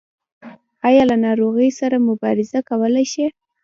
ایا له ناروغۍ سره مبارزه کولی شئ؟